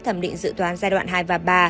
thẩm định dự toán giai đoạn hai và ba